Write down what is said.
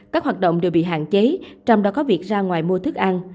các hoạt động đều bị hạn chế trong đó có việc ra ngoài mua thức ăn